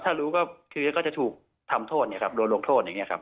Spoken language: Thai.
ถ้ารู้ก็จะถูกทำโทษโดนโรคโทษอย่างนี้ครับ